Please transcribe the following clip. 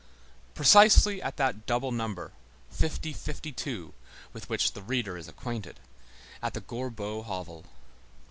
Precisely at that double number 50 52 with which the reader is acquainted—at the Gorbeau hovel.